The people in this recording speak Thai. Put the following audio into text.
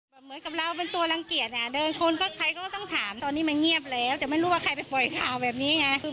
เหมือนกับเราเป็นตัวรังเกียจอ่ะเดินคนก็ใครก็ต้องถามตอนนี้มันเงียบแล้วแต่ไม่รู้ว่าใครไปปล่อยข่าวแบบนี้ไง